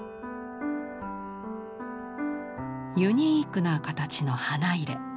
ユニークな形の花入。